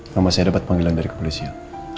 nama saya dapat panggilan dari kepolisian